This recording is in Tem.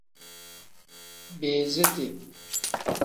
Biiziti.